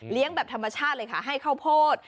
แบบธรรมชาติเลยค่ะให้ข้าวโพด